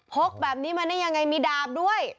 กแบบนี้มาได้ยังไงมีดาบด้วย